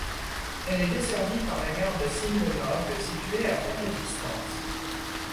Elle est desservie par la gare de Sin-le-Noble, située à faible distance.